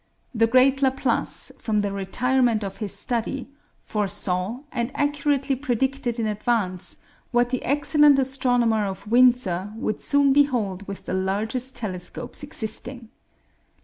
The great Laplace, from the retirement of his study, foresaw, and accurately predicted in advance, what the excellent astronomer of Windsor would soon behold with the largest telescopes existing.